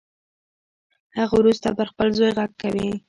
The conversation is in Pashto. هغه وروسته پر خپل زوی غږ کوي